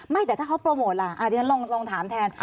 ไม่แต่ถ้าเขาโปรโมทล่ะเดี๋ยวเราลองถามแทน